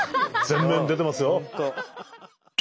前面に出てますよ。